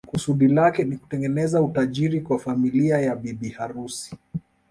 Kusudi lake si kutengeneza utajijri kwa familia ya bibi harusi